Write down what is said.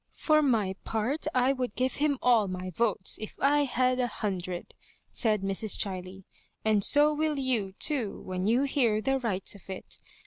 " For my part, I would give him all my votes, if I bad a hundred," said Mrs. Chiley, "and so will you, too, when you hear the rights of it.